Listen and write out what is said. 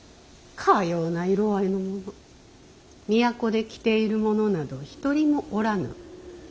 かような色合いのもの都で着ている者など一人もおらぬ。